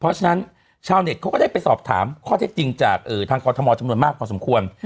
เพราะฉะนั้นชาวเน็ตเขาก็ได้ไปสอบถามข้อเท็จจริงจากทางกรทมจำนวนมากพอสมควร